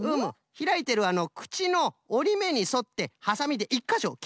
ひらいてるくちのおりめにそってはさみで１かしょきってごらん。